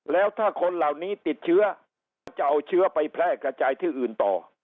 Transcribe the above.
แล้วถ้าคนเหล่านี้ติดเชื้อก็จะเอาเชื้อไปแพร่กระจายที่อื่นต่อ